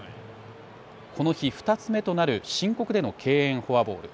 この日、２つ目となる申告での敬遠フォアボール。